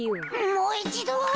もういちど。